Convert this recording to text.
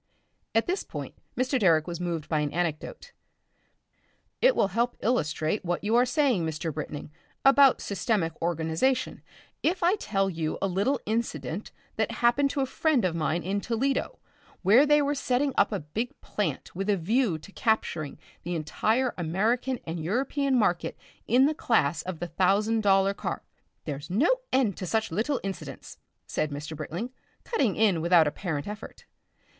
At this point Mr. Direck was moved by an anecdote. "It will help to illustrate what you are saying, Mr. Britling, about systematic organisation if I tell you a little incident that happened to a friend of mine in Toledo, where they are setting up a big plant with a view to capturing the entire American and European market in the class of the thousand dollar car " "There's no end of such little incidents," said Mr. Britling, cutting in without apparent effort.